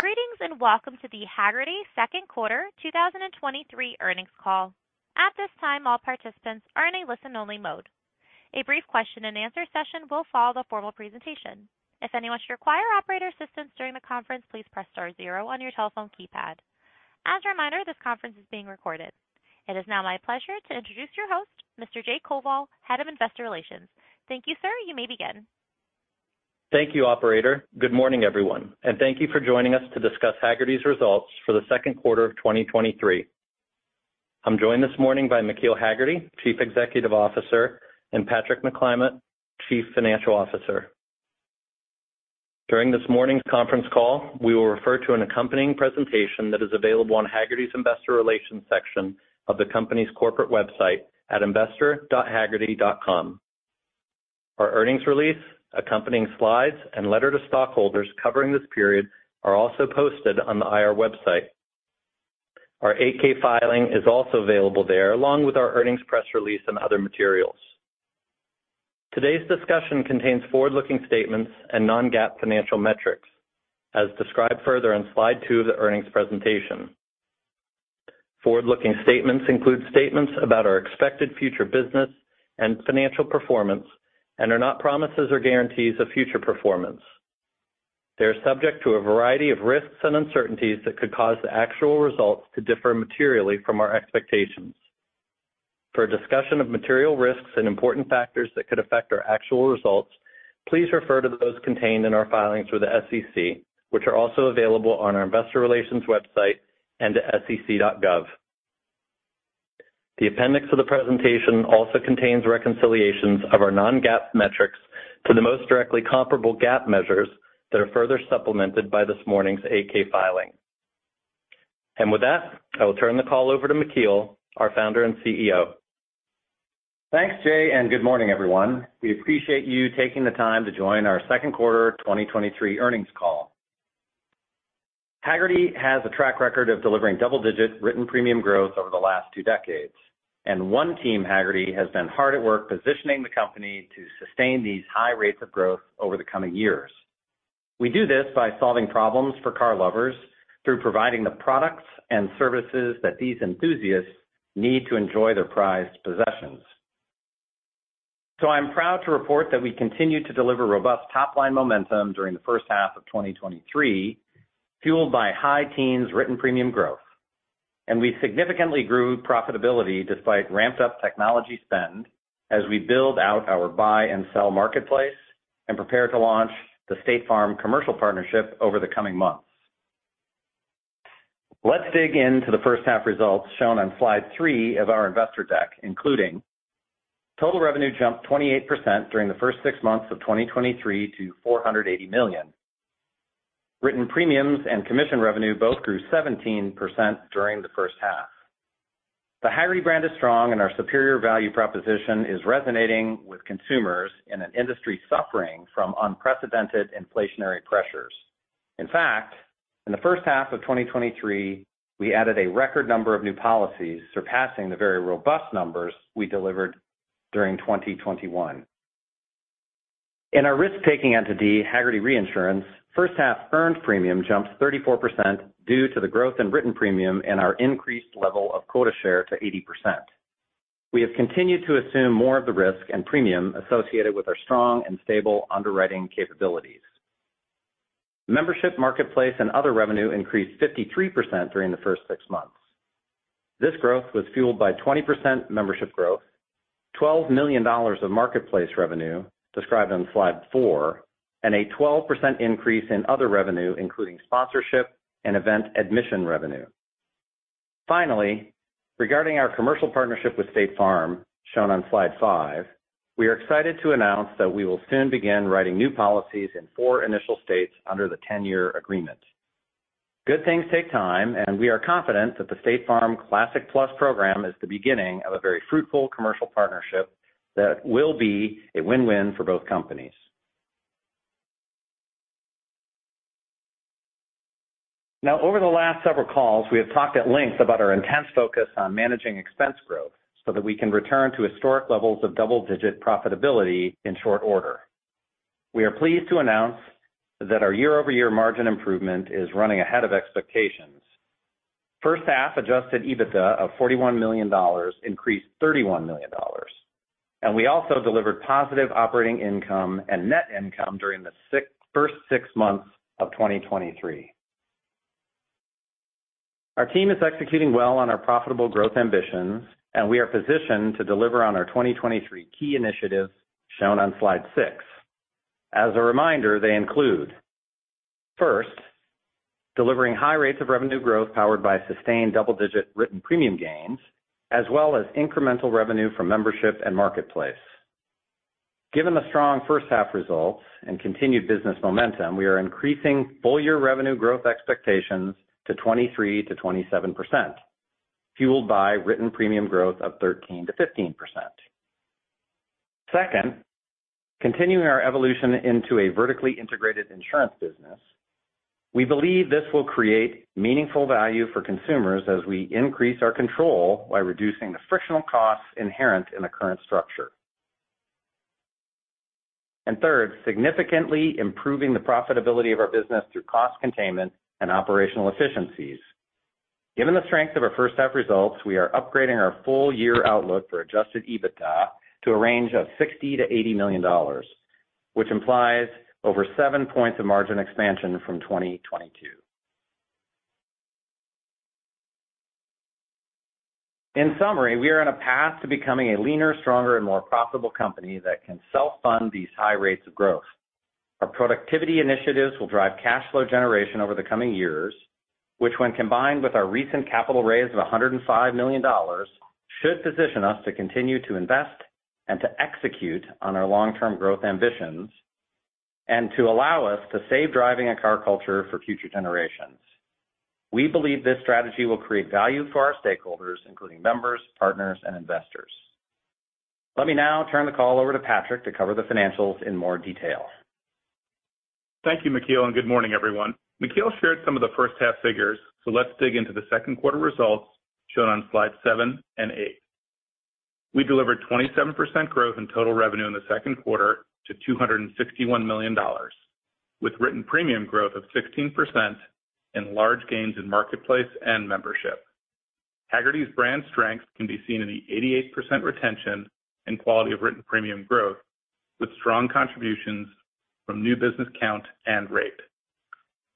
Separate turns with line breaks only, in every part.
Greetings, welcome to the Hagerty Q2 2023 earnings call. At this time, all participants are in a listen-only mode. A brief question and answer session will follow the formal presentation. If anyone should require operator assistance during the conference, please press star 0 on your telephone keypad. As a reminder, this conference is being recorded. It is now my pleasure to introduce your host, Mr. Jay Koval, Head of Investor Relations. Thank you, sir. You may begin.
Thank you, operator. Good morning, everyone, and thank you for joining us to discuss Hagerty's results for the Q2 of 2023. I'm joined this morning by McKeel Hagerty, Chief Executive Officer, and Patrick McClymont, Chief Financial Officer. During this morning's conference call, we will refer to an accompanying presentation that is available on Hagerty's Investor Relations section of the company's corporate website at investor.hagerty.com. Our earnings release, accompanying slides and letter to stockholders covering this period are also posted on the IR website. Our 8-K filing is also available there, along with our earnings press release and other materials. Today's discussion contains forward-looking statements and non-GAAP financial metrics, as described further on slide 2 of the earnings presentation. Forward-looking statements include statements about our expected future business and financial performance and are not promises or guarantees of future performance. They are subject to a variety of risks and uncertainties that could cause the actual results to differ materially from our expectations. For a discussion of material risks and important factors that could affect our actual results, please refer to those contained in our filings with the SEC, which are also available on our investor relations website and at sec.gov. The appendix of the presentation also contains reconciliations of our non-GAAP metrics to the most directly comparable GAAP measures that are further supplemented by this morning's 8-K filing. With that, I will turn the call over to McKeel, our founder and CEO.
Thanks, Jay. Good morning, everyone. We appreciate you taking the time to join our Q2 2023 earnings call. Hagerty has a track record of delivering double-digit written premium growth over the last two decades. One Team Hagerty has been hard at work positioning the company to sustain these high rates of growth over the coming years. We do this by solving problems for car lovers through providing the products and services that these enthusiasts need to enjoy their prized possessions. I'm proud to report that we continue to deliver robust top-line momentum during the first half of 2023, fueled by high teens written premium growth. We significantly grew profitability despite ramped up technology spend as we build out our buy and sell marketplace and prepare to launch the State Farm Commercial Partnership over the coming months. Let's dig into the first half results shown on slide 3 of our investor deck, including total revenue jumped 28% during the first 6 months of 2023 to $480 million. Written premiums and commission revenue both grew 17% during the first half. The Hagerty brand is strong, and our superior value proposition is resonating with consumers in an industry suffering from unprecedented inflationary pressures. In fact, in the first half of 2023, we added a record number of new policies, surpassing the very robust numbers we delivered during 2021. In our risk-taking entity, Hagerty Reinsurance, first half earned premium jumped 34% due to the growth in written premium and our increased level of quota share to 80%. We have continued to assume more of the risk and premium associated with our strong and stable underwriting capabilities. Membership, marketplace, and other revenue increased 53% during the first 6 months. This growth was fueled by 20% membership growth, $12 million of marketplace revenue, described on slide 4, and a 12% increase in other revenue, including sponsorship and event admission revenue. Finally, regarding our commercial partnership with State Farm, shown on slide 5, we are excited to announce that we will soon begin writing new policies in four initial states under the 10-year agreement. Good things take time, and we are confident that the State Farm Classic+ program is the beginning of a very fruitful commercial partnership that will be a win-win for both companies. Now, over the last several calls, we have talked at length about our intense focus on managing expense growth so that we can return to historic levels of double-digit profitability in short order. We are pleased to announce that our year-over-year margin improvement is running ahead of expectations. First half Adjusted EBITDA of $41 million increased $31 million, we also delivered positive operating income and net income during the first 6 months of 2023. Our team is executing well on our profitable growth ambitions, we are positioned to deliver on our 2023 key initiatives shown on slide 6. As a reminder, they include, first, delivering high rates of revenue growth powered by sustained double-digit written premium gains, as well as incremental revenue from membership and marketplace. Given the strong first half results and continued business momentum, we are increasing full year revenue growth expectations to 23%-27%, fueled by written premium growth of 13%-15%. Second, continuing our evolution into a vertically integrated insurance business. We believe this will create meaningful value for consumers as we increase our control by reducing the frictional costs inherent in the current structure. Third, significantly improving the profitability of our business through cost containment and operational efficiencies. Given the strength of our first half results, we are upgrading our full year outlook for Adjusted EBITDA to a range of $60 million-$80 million, which implies over seven points of margin expansion from 2022. In summary, we are on a path to becoming a leaner, stronger, and more profitable company that can self-fund these high rates of growth. Our productivity initiatives will drive cash flow generation over the coming years, which, when combined with our recent capital raise of $105 million, should position us to continue to invest and to execute on our long-term growth ambitions and to allow us to save driving and car culture for future generations. We believe this strategy will create value for our stakeholders, including members, partners, and investors. Let me now turn the call over to Patrick to cover the financials in more detail.
Thank you, McKeel. Good morning, everyone. McKeel shared some of the first half figures. Let's dig into the Q2 results shown on slides 7 and 8. We delivered 27% growth in total revenue in the Q2 to $261 million, with written premium growth of 16% and large gains in marketplace and membership. Hagerty's brand strength can be seen in the 88% retention and quality of written premium growth, with strong contributions from new business count and rate.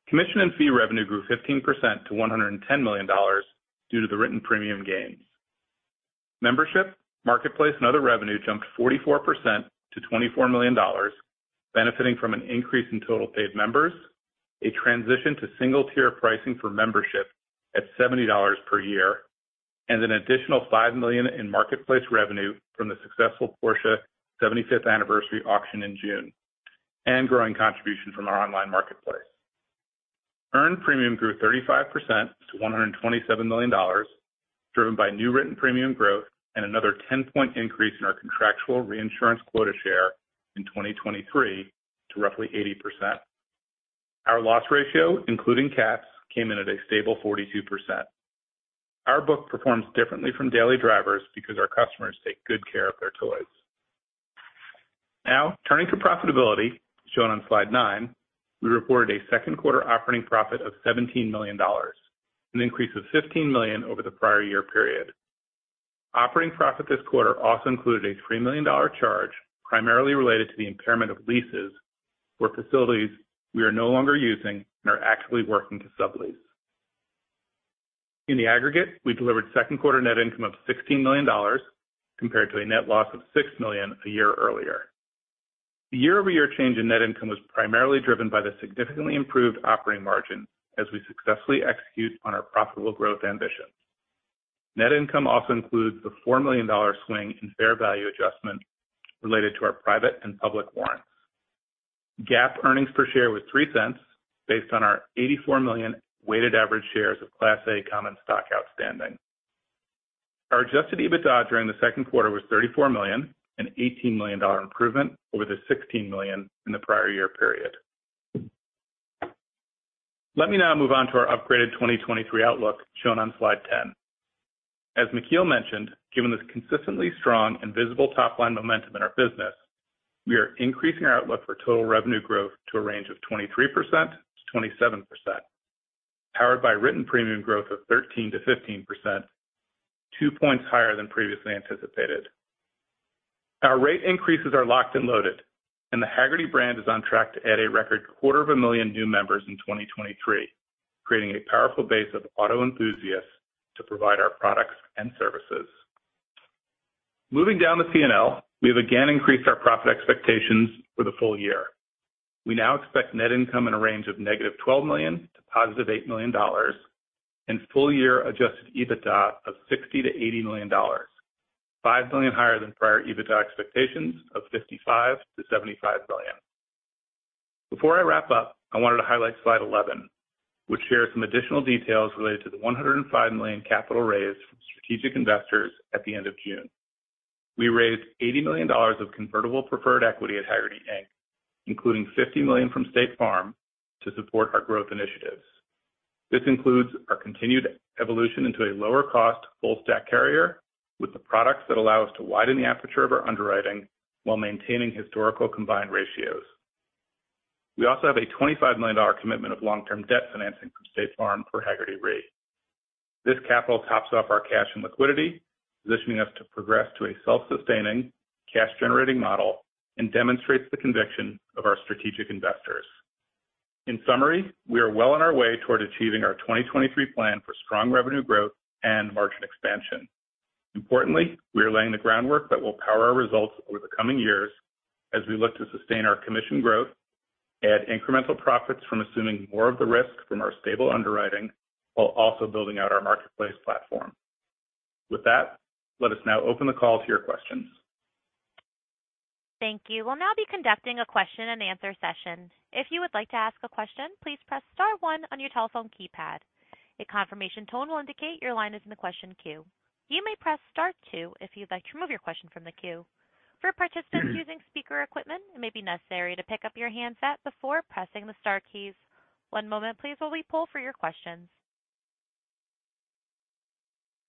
Commission and fee revenue grew 15% to $110 million due to the written premium gains. Membership, marketplace, and other revenue jumped 44% to $24 million, benefiting from an increase in total paid members, a transition to single-tier pricing for membership at $70 per year, and an additional $5 million in marketplace revenue from the successful Porsche 75th anniversary auction in June, and growing contribution from our online marketplace. Earned premium grew 35% to $127 million, driven by new written premium growth and another 10-point increase in our contractual reinsurance quota share in 2023 to roughly 80%. Our loss ratio, including caps, came in at a stable 42%. Our book performs differently from daily drivers because our customers take good care of their toys. Now, turning to profitability, shown on slide 9, we reported a Q2 operating profit of $17 million, an increase of $15 million over the prior year period. Operating profit this quarter also included a $3 million charge, primarily related to the impairment of leases for facilities we are no longer using and are actively working to sublease. In the aggregate, we delivered Q2 net income of $16 million, compared to a net loss of $6 million a year earlier. The year-over-year change in net income was primarily driven by the significantly improved operating margin as we successfully execute on our profitable growth ambitions. Net income also includes the $4 million swing in fair value adjustment related to our private and public warrants. GAAP earnings per share was $0.03, based on our 84 million weighted average shares of Class A Common Stock outstanding. Our Adjusted EBITDA during the Q2 was $34 million, an $18 million improvement over the $16 million in the prior year period. Let me now move on to our upgraded 2023 outlook, shown on slide 10. As McKeel mentioned, given this consistently strong and visible top-line momentum in our business, we are increasing our outlook for total revenue growth to a range of 23%-27%, powered by written premium growth of 13%-15%, 2 points higher than previously anticipated. Our rate increases are locked and loaded. The Hagerty brand is on track to add a record 250,000 new members in 2023, creating a powerful base of auto enthusiasts to provide our products and services. Moving down to P&L, we have again increased our profit expectations for the full year. We now expect net income in a range of -$12 million-$8 million and full year Adjusted EBITDA of $60 million-$80 million, $5 million higher than prior EBITDA expectations of $55 million-$75 million. Before I wrap up, I wanted to highlight slide 11, which shares some additional details related to the $105 million capital raise from strategic investors at the end of June. We raised $80 million of convertible preferred equity at Hagerty, Inc., including $50 million from State Farm to support our growth initiatives. This includes our continued evolution into a lower cost, full-stack carrier with the products that allow us to widen the aperture of our underwriting while maintaining historical combined ratios. We also have a $25 million commitment of long-term debt financing from State Farm for Hagerty Re. This capital tops off our cash and liquidity, positioning us to progress to a self-sustaining, cash-generating model and demonstrates the conviction of our strategic investors. In summary, we are well on our way toward achieving our 2023 plan for strong revenue growth and margin expansion. Importantly, we are laying the groundwork that will power our results over the coming years as we look to sustain our commission growth, add incremental profits from assuming more of the risk from our stable underwriting, while also building out our marketplace platform. With that, let us now open the call to your questions.
Thank you. We'll now be conducting a question and answer session. If you would like to ask a question, please press star one on your telephone keypad. A confirmation tone will indicate your line is in the question queue. You may press star two if you'd like to remove your question from the queue. For participants using speaker equipment, it may be necessary to pick up your handset before pressing the star keys. One moment, please, while we pull for your questions.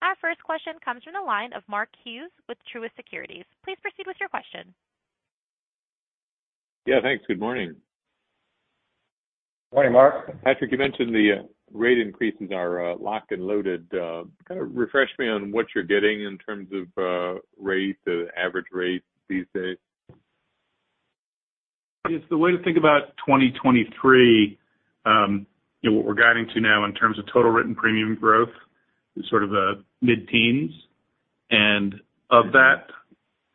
Our first question comes from the line of Mark Hughes with Truist Securities. Please proceed with your question.
Yeah, thanks. Good morning.
Morning, Mark.
Patrick, you mentioned the rate increases are locked and loaded. Kind of refresh me on what you're getting in terms of rate, the average rate these days?
It's the way to think about 2023., what we're guiding to now in terms of total written premium growth is sort of, mid-teens, and of that,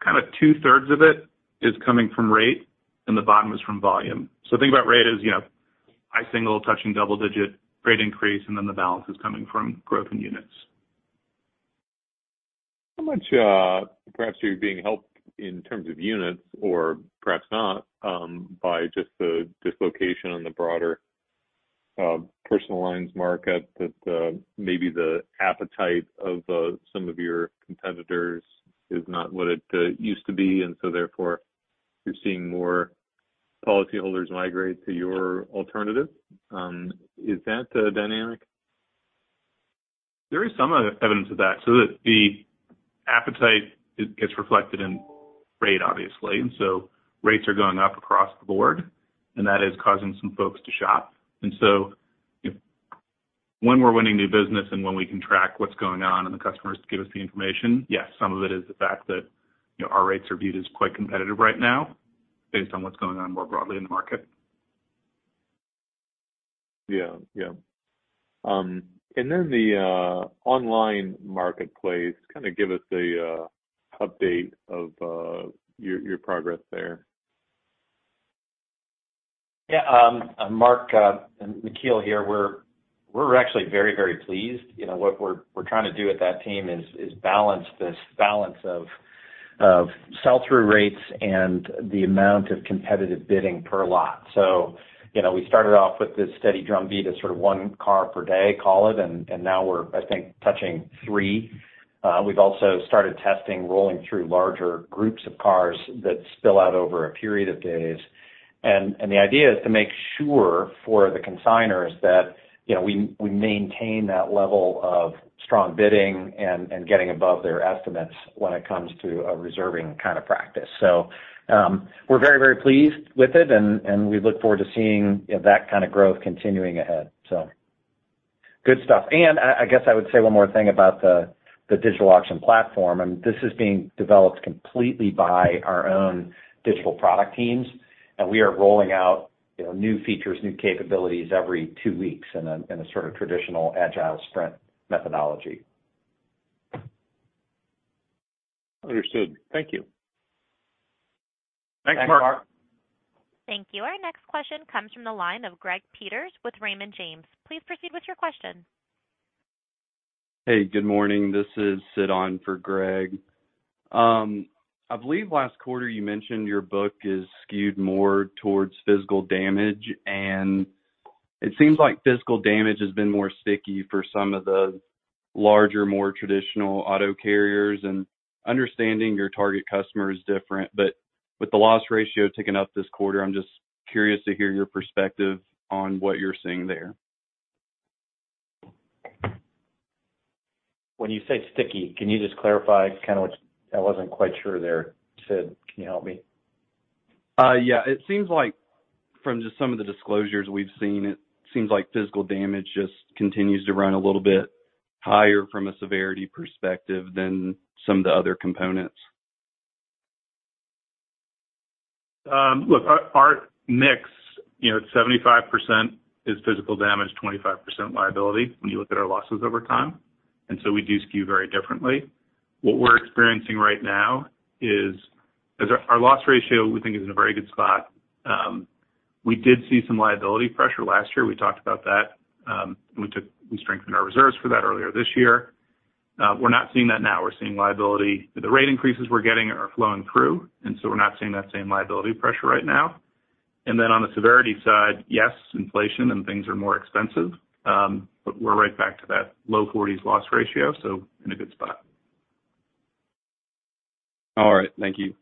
kind of two-thirds of it is coming from rate, and the bottom is from volume. The thing about rate is high single touching, double-digit rate increase, and then the balance is coming from growth in units.
How much, perhaps you're being helped in terms of units or perhaps not, by just the dislocation on the broader personal lines market, that maybe the appetite of some of your competitors is not what it used to be, and so therefore, you're seeing more policyholders migrate to your alternative. Is that the dynamic?
There is some e-evidence of that. The appetite gets reflected in rate, obviously. Rates are going up across the board, and that is causing some folks to shop., when we're winning new business and when we can track what's going on and the customers give us the information, yes, some of it is the fact that our rates are viewed as quite competitive right now based on what's going on more broadly in the market.
Yeah. Yeah. Then the online marketplace, kind of give us a update of your, your progress there?
Yeah, Mark, McKeel here. We're, we're actually very, very pleased., what we're trying to do with that team is, is balance this balance of, of sell-through rates and the amount of competitive bidding per lot., we started off with this steady drumbeat of sort of one car per day, call it, and, and now we're, I think, touching three. We've also started testing, rolling through larger groups of cars that spill out over a period of days. The idea is to make sure for the consigners that we, we maintain that level of strong bidding and, and getting above their estimates when it comes to a reserving kind of practice. We're very, very pleased with it, and, and we look forward to seeing that kind of growth continuing ahead. Good stuff. I guess I would say one more thing about the digital auction platform. This is being developed completely by our own digital product teams. We are rolling out new features, new capabilities every 2 weeks in a sort of traditional agile sprint methodology.
Understood. Thank you.
Thanks, Mark.
Thank you. Our next question comes from the line of Greg Peters with Raymond James. Please proceed with your question.
Hey, good morning. This is Sid on for Greg. I believe last quarter you mentioned your book is skewed more towards physical damage, and it seems like physical damage has been more sticky for some of the larger, more traditional auto carriers. Understanding your target customer is different, but with the loss ratio ticking up this quarter, I'm just curious to hear your perspective on what you're seeing there.
When you say sticky, can you just clarify? Kind of what... I wasn't quite sure there, Sid. Can you help me?
Yeah. It seems like from just some of the disclosures we've seen, it seems like physical damage just continues to run a little bit higher from a severity perspective than some of the other components.
Look, our, our mix 75% is physical damage, 25% liability when you look at our losses over time, and so we do skew very differently. What we're experiencing right now is, is our, our loss ratio, we think, is in a very good spot. We did see some liability pressure last year. We talked about that. We strengthened our reserves for that earlier this year. We're not seeing that now. We're seeing liability. The rate increases we're getting are flowing through, and so we're not seeing that same liability pressure right now. Then on the severity side, yes, inflation and things are more expensive, but we're right back to that low 40s loss ratio, so in a good spot.
All right. Thank you.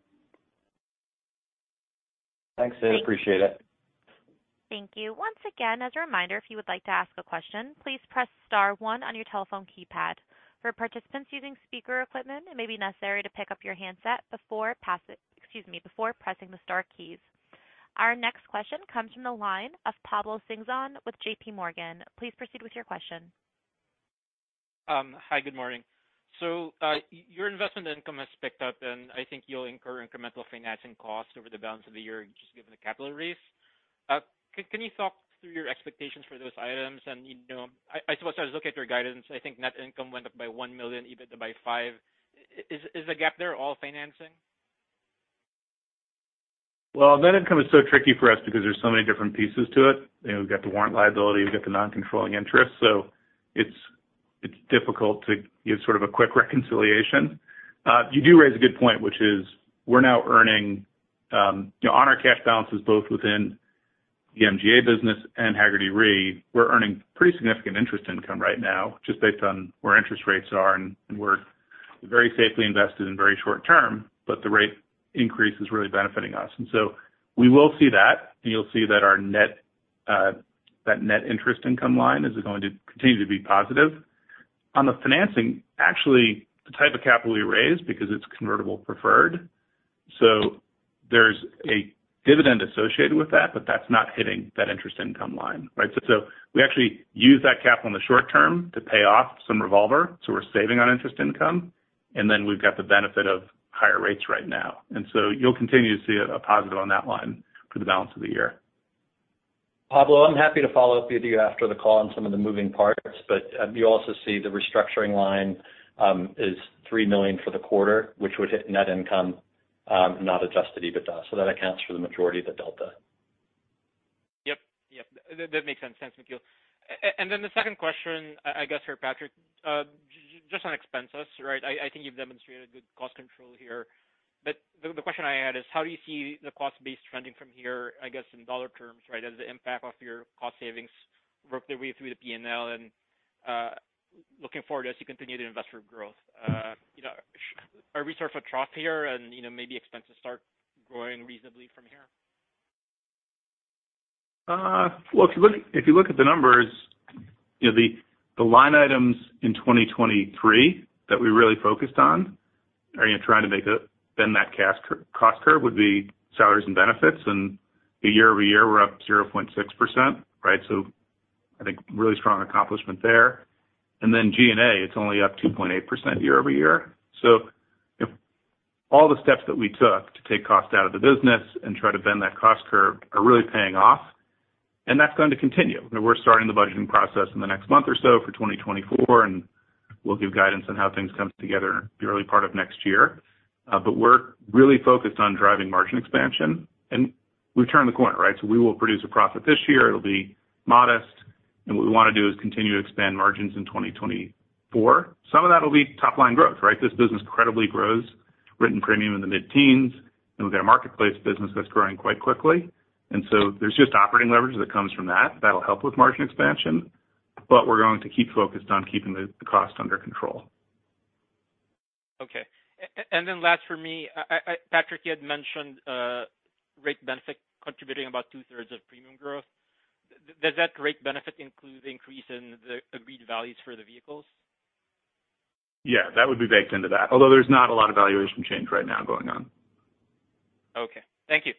Thanks, Sid. Appreciate it.
Thank you. Once again, as a reminder, if you would like to ask a question, please press star 1 on your telephone keypad. For participants using speaker equipment, it may be necessary to pick up your handset before pass it, excuse me, before pressing the star keys. Our next question comes from the line of Pablo Singzon with J.P. Morgan. Please proceed with your question.
Hi, good morning. Your investment income has picked up, and I think you'll incur incremental financing costs over the balance of the year, just given the capital raise. Can you talk through your expectations for those items?, I suppose I was looking at your guidance. I think net income went up by $1 million, EBIT by $5 million. Is the gap there all financing?
Well, net income is so tricky for us because there's so many different pieces to it., we've got the warrant liability, we've got the non-controlling interest. It's, it's difficult to give sort of a quick reconciliation. You do raise a good point, which is we're now earning on our cash balances, both within the MGA business and Hagerty Re, we're earning pretty significant interest income right now, just based on where interest rates are and very safely invested in very short term, but the rate increase is really benefiting us. So we will see that, and you'll see that our net, that net interest income line is going to continue to be positive. On the financing, actually, the type of capital we raised, because it's convertible preferred, so there's a dividend associated with that, but that's not hitting that interest income line, right? We actually use that capital in the short term to pay off some revolver, so we're saving on interest income, and then we've got the benefit of higher rates right now. You'll continue to see a positive on that line for the balance of the year.
Pablo, I'm happy to follow up with you after the call on some of the moving parts, but you also see the restructuring line is $3 million for the quarter, which would hit net income, not Adjusted EBITDA, so that accounts for the majority of the delta.
Yep, yep. That makes sense, McKeel. The second question, I, I guess, for Patrick, just on expenses, right? I, I think you've demonstrated good cost control here. The question I had is: how do you see the cost base trending from here, I guess, in dollar terms, right? As the impact of your cost savings work their way through the P&L and looking forward as you continue to invest for growth., are we sort of trough here and maybe expenses start growing reasonably from here?
Well, if you look, if you look at the numbers the line items in 2023 that we really focused on, are you trying to bend that cost curve, would be salaries and benefits, and year-over-year, we're up 0.6%, right? I think really strong accomplishment there. Then G&A, it's only up 2.8% year-over-year., all the steps that we took to take costs out of the business and try to bend that cost curve are really paying off, and that's going to continue. We're starting the budgeting process in the next month or so for 2024, and we'll give guidance on how things come together in the early part of next year. We're really focused on driving margin expansion, and we've turned the corner, right? We will produce a profit this year. It'll be modest, and what we want to do is continue to expand margins in 2024. Some of that will be top line growth, right? This business credibly grows written premium in the mid-teens, and we've got a marketplace business that's growing quite quickly. So there's just operating leverage that comes from that. That'll help with margin expansion, but we're going to keep focused on keeping the, the cost under control.
Okay. Last for me, Patrick, you had mentioned rate benefit contributing about two-thirds of premium growth. Does that rate benefit include the increase in the agreed values for the vehicles?
Yeah, that would be baked into that, although there's not a lot of valuation change right now going on.
Okay. Thank you.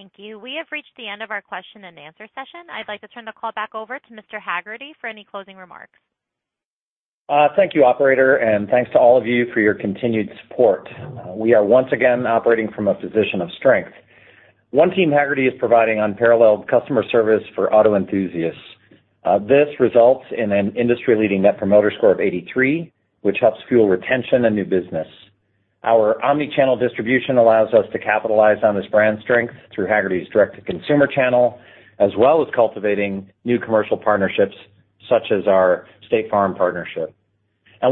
Thank you. We have reached the end of our question and answer session. I'd like to turn the call back over to Mr. Hagerty for any closing remarks.
Thank you, operator, thanks to all of you for your continued support. We are once again operating from a position of strength. One Team Hagerty is providing unparalleled customer service for auto enthusiasts. This results in an industry-leading Net Promoter Score of 83, which helps fuel retention and new business. Our omni-channel distribution allows us to capitalize on this brand strength through Hagerty's direct-to-consumer channel, as well as cultivating new commercial partnerships, such as our State Farm partnership.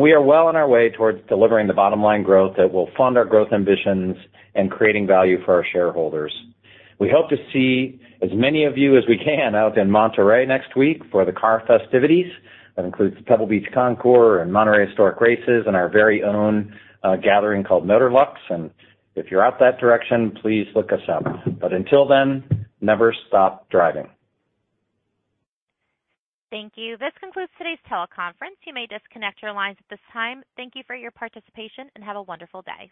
We are well on our way towards delivering the bottom line growth that will fund our growth ambitions and creating value for our shareholders. We hope to see as many of you as we can out in Monterey next week for the car festivities. That includes the Pebble Beach Concours and Monterey Historic Races and our very own gathering called Motorlux. If you're out that direction, please look us up. Until then, never stop driving.
Thank you. This concludes today's teleconference. You may disconnect your lines at this time. Thank you for your participation, and have a wonderful day.